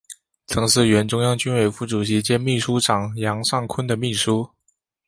曾是原中央军委副主席兼秘书长杨尚昆的秘书。